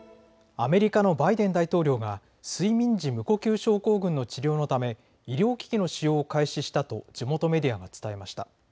アメリカのバイデン大統領が睡眠時無呼吸症候群の治療のため医療機器の使用を開始したと地元メディアが伝えました。